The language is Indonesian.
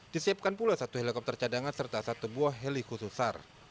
disiapkan pula satu helikopter cadangan serta satu buah heli khusus sar